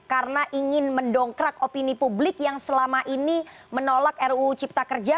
karena ingin mendongkrak opini publik yang selama ini menolak ruu cipta kerja